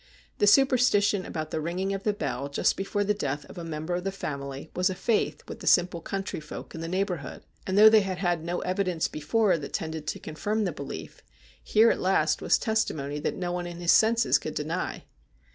The superstition about the ringing of the bell just before the death of a member of the family was a faith with the simple country folk in the neighbourhood ; and though they had had no evidence before that tended to confirm the belief, here at last was testimony that no one in his senses could deny.